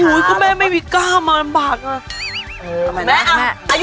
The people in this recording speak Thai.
โอ๊ยก็แม่ไม่มีกล้ามอะลำบากอะชัด